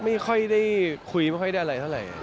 ไม่ค่อยได้คุยไม่ค่อยได้อะไรเท่าไหร่